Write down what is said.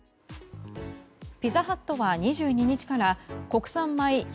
ピザハットは２２日から国産米１００％